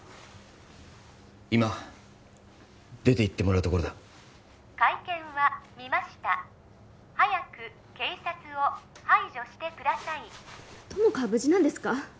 今出ていってもらうところだ会見は見ました早く警察を排除してください友果は無事なんですか！？